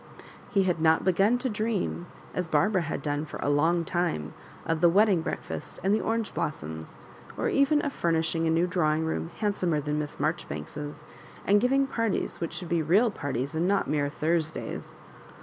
He had not begun to dream, as Barbara had done for a long time, of the wedding breakfast and the orange blos soms, or even of furnishing a new drawing room handsomer than Miss Marjoribanks's, and giving parties which should be real parties and not mere Thursdays.